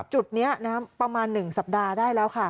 จุดนี้ประมาณ๑สัปดาห์ได้แล้วค่ะ